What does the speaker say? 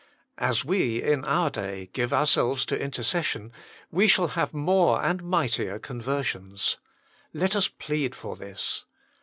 As we, in our day, give ourselves to intercession, we shall have more and mightier conversions. Let us plead for this.